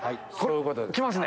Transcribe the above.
来ますね。